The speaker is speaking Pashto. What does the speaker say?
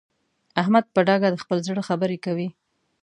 احمد په ډاګه د خپل زړه خبره کوي.